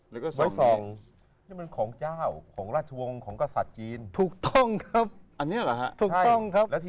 แล้วก็ใส่แบบนี้